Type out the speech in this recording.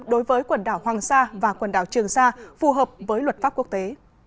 đối với quần đảo hoàng sa và quần đảo trường sa phù hợp với luật pháp quốc tế